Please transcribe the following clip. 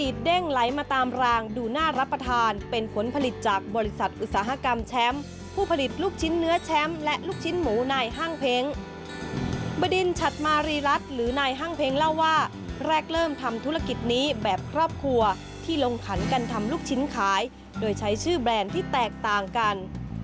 เพราะส่วนกิจต้องมาสามารถให้สามารถสร้างแปลกต่างกัน